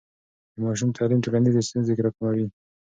د ماشوم تعلیم ټولنیزې ستونزې راکموي.